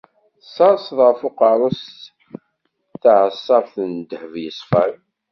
Tserseḍ ɣef uqerru-s taɛeṣṣabt n ddheb yeṣfan.